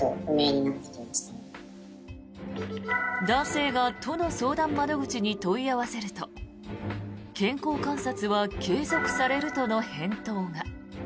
男性が都の相談窓口に問い合わせると健康観察は継続されるとの返答が。